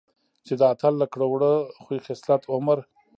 چې د اتل له کړه وړه ،خوي خصلت، عمر،